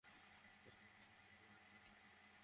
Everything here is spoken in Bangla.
আর লুইসের একটা স্ত্রী ছিল।